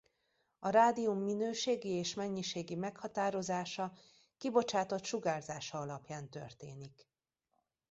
A rádium minőségi és mennyiségi meghatározása kibocsátott sugárzása alapján történik.